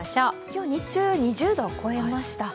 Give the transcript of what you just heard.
今日、日中、２０度を超えました。